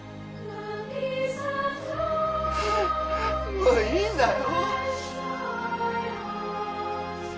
もういいんだよ。